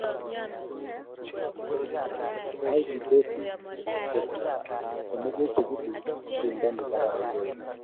maguitosi kot ko nekichikili ko pendo ne kararan